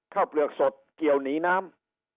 เปลือกสดเกี่ยวหนีน้ำ